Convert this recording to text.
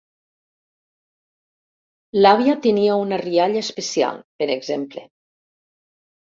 “L'àvia tenia una rialla especial”, per exemple.